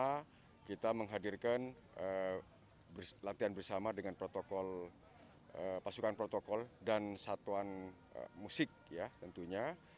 pertama kita menghadirkan latihan bersama dengan pasukan protokol dan satuan musik ya tentunya